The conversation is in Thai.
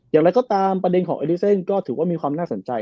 อย่างไรก็ตามประเด็นของเอดิเซ่นก็ถือว่ามีความน่าสนใจ